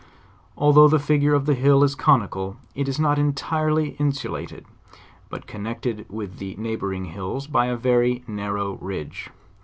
Al though the figure of the hill is conical it is not entirely in sulated, but connected with the neighboring hills by a very narrow ridge.